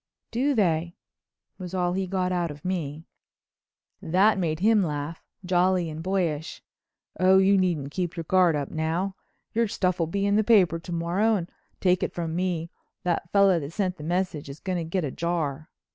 "Do they?" was all he got out of me. That made him laugh, jolly and boyish. "Oh, you needn't keep your guard up now. Your stuff'll be in the papers to morrow, and, take it from me, that fellow that sent the message is going to get a jar."